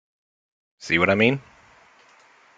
See what I mean?